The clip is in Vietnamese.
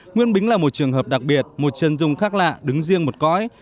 nguyễn bính là một trường hợp đặc biệt một chân dung khác lạ đứng riêng một cõi